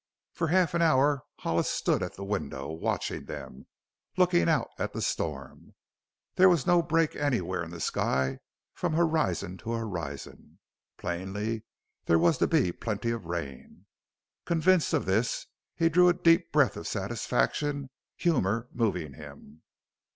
For half an hour Hollis stood at the window, watching them, looking out at the storm. There was no break anywhere in the sky from horizon to horizon. Plainly there was to be plenty of rain. Convinced of this he drew a deep breath of satisfaction, humor moving him.